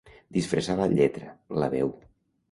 Disfressar la lletra, la veu.